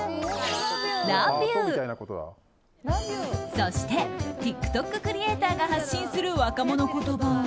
そしてＴｉｋＴｏｋクリエーターが発信する若者言葉は。